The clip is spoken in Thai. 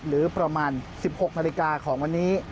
หรือประมาณ๑๖นาฬิกาของวันนี้